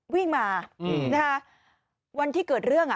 วิ่งมานะคะวันที่เกิดเรื่องอ่ะ